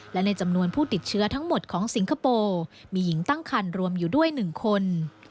และในจำนวนผู้ติดเชื้อทั้งหมดของสิงคโปร์มีหญิงตั้งคันรวมอยู่ด้วย๑คน